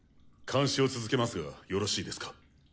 監視を続けますがよろしいですか？